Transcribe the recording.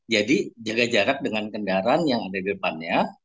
jadi jaga jarak dengan kendaraan yang ada di depannya